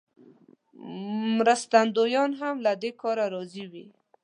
مرستندویان هم له دې کاره راضي وي.